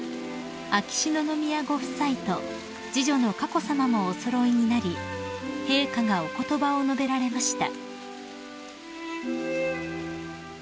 秋篠宮ご夫妻と次女の佳子さまもお揃いになり陛下がお言葉を述べられました］